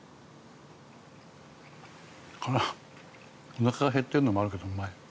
おなかが減ってるのもあるけどうまい。